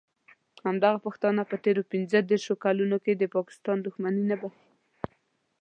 همدغه پښتانه په تېرو پینځه دیرشو کالونو کې د پاکستان دښمني نه بښي.